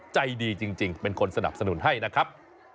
ใจดีจริงเป็นคนสนับสนุนให้นะครับ